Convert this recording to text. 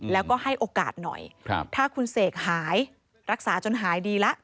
แล้วก็ให้โอกาสหน่อยถ้าคุณเสกหายรักษาจนหายดีแล้ว